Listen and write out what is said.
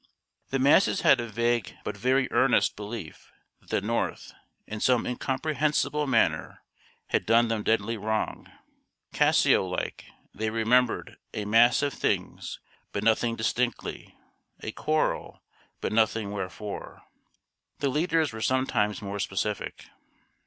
The masses had a vague but very earnest belief that the North, in some incomprehensible manner, had done them deadly wrong. Cassio like, they remembered "a mass of things, but nothing distinctly; a quarrel, but nothing wherefore." The leaders were sometimes more specific.